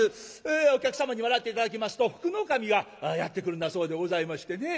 お客様に笑って頂きますと福の神がやって来るんだそうでございましてね。